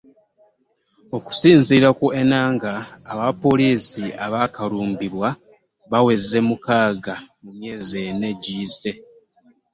Okusinziira ku Enanga, abapoliisi abaakalumbibwa baweze mukaaga mu myezi ena egiyise